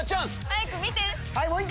早く見て！